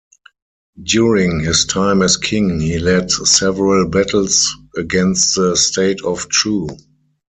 During his time as king he led several battles against the state of Chu.